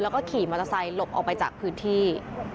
แล้วก็ขี่มอเตอร์ไซค์หลบออกไปจากพื้นที่